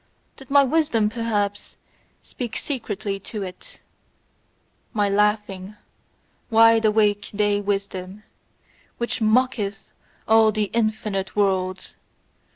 Did my wisdom perhaps speak secretly to it, my laughing, wide awake day wisdom, which mocketh at all "infinite worlds"?